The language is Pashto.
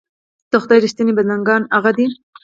د خدای رښتيني بندګان هغه دي.